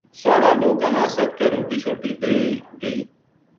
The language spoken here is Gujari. سارا لوکاں نا سَد کے روٹی شوٹی دئی گئی